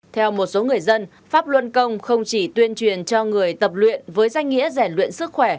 theo một số người dân pháp luân công không chỉ tuyên truyền cho người tập luyện với danh nghĩa giải luyện sức khỏe